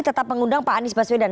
tetap mengundang pak anies baswedan